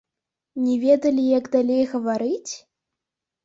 Не ведалі, як далей гаварыць?